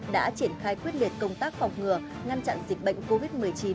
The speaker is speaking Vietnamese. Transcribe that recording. đã triển khai quyết liệt công tác phòng ngừa ngăn chặn dịch bệnh covid một mươi chín